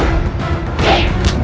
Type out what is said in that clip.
kau sudah regulatory us file kita